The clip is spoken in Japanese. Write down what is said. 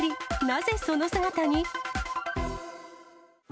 なぜその姿に？